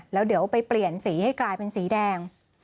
แล้วเดี๋ยวไปเปลี่ยนสีให้กลายเป็นสีแดง